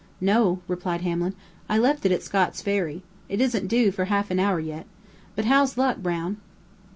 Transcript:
"No," replied Hamlin; "I left it at Scott's Ferry. It isn't due for half an hour yet. But how's luck, Brown?"